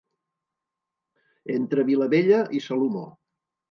Entre Vilabella i Salomó.